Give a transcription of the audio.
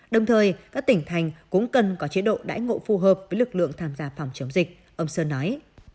đồng thời các tỉnh thành cũng cần có chế độ đãi ngộ phù hợp với lực lượng tham gia phòng chống dịch ông sơn nói